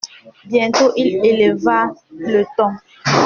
Bientôt il éleva le ton.